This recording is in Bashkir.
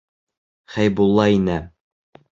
Хәйбулла инә.